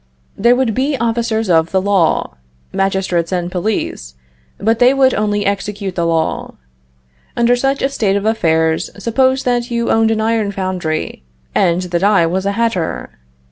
There would be officers of the law, magistrates and police; but they would only execute the law. Under such a state of affairs, suppose that you owned an iron foundry, and that I was a hatter.